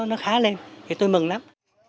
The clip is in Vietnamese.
nó khá lên thì tôi mừng lắm